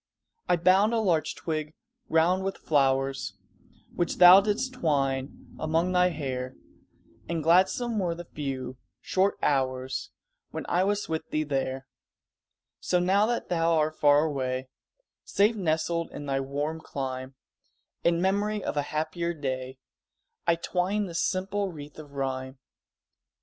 I bound a larch twig round with flowers, Which thou didst twine among thy hair, And gladsome were the few, short hours When I was with thee there; So now that thou art far away, Safe nestled in thy warmer clime, In memory of a happier day I twine this simple wreath of rhyme.